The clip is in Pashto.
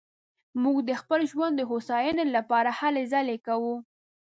موږ د خپل ژوند د هوساينې لپاره هلې ځلې کوو